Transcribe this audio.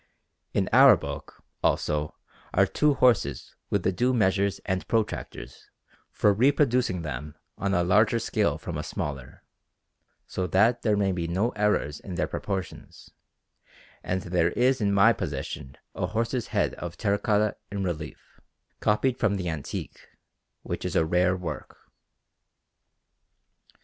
In our book, also, are two horses with the due measures and protractors for reproducing them on a larger scale from a smaller, so that there may be no errors in their proportions; and there is in my possession a horse's head of terra cotta in relief, copied from the antique, which is a rare work.